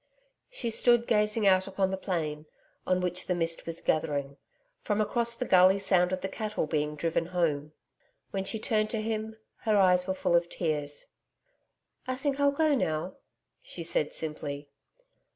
She stood gazing out upon the plain, on which the mist was gathering. From across the gully sounded the cattle being driven home. When she turned to him, her eyes were full of tears. 'I think I'll go now.' She said simply.